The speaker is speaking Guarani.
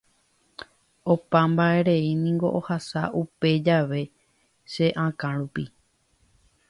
Opa mba'erei niko ohasa upe jave che akã rupi.